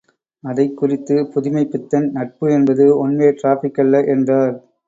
அதைக் குறித்து புதுமைப்பித்தன் நட்பு என்பது ஒன்வே ட்ராபிக் அல்ல! என்றார்.